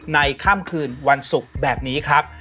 ค่ำคืนวันศุกร์แบบนี้ครับ